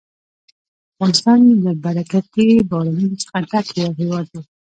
افغانستان له برکتي بارانونو څخه ډک یو هېواد دی.